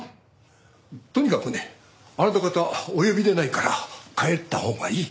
とにかくねあなた方はお呼びでないから帰ったほうがいい。